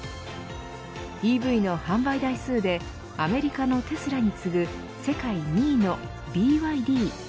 ＥＶの販売台数でアメリカのテスラに次ぐ世界２のＢＹＤ。